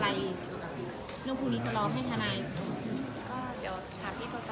เดี๋ยวก็จะลงมาแถวข่าวกับแทนายความ